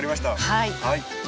はい。